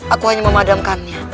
aku hanya memadamkannya